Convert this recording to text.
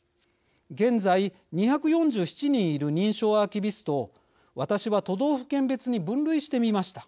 現在２４７人いる認証アーキビストを、私は都道府県別に分類してみました。